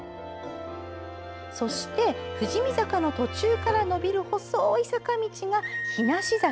そして富士見坂の途中から延びる細い坂道が日無坂。